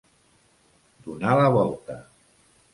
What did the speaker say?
Donar la volta.